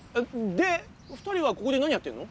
で２人はここで何やってんの？